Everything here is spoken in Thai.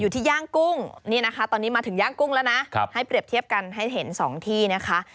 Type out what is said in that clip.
ที่ย่างกุ้งนี่นะคะตอนนี้มาถึงย่างกุ้งแล้วนะให้เปรียบเทียบกันให้เห็น๒ที่นะคะ